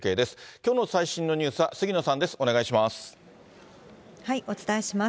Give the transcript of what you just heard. きょうの最新のニュースは杉野さんです、お願いします。